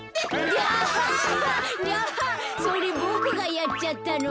ギャハそれボクがやっちゃったの。